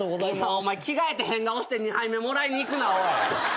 お前着替えて変顔して２杯目もらいに行くなおい！